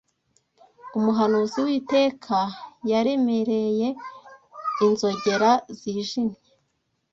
Umuhanuzi w'iteka yaremereye inzogera zijimye